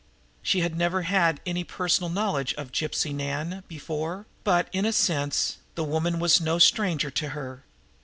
She had never had any personal knowledge of Gypsy Nan before, but, in a sense, the woman was no stranger to her.